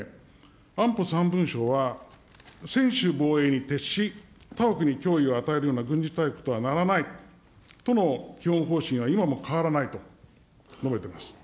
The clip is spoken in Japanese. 安保３文書は、専守防衛に徹し、他国に脅威を与えるような軍事大国とはならない、基本方針は今も変わらないと述べてます。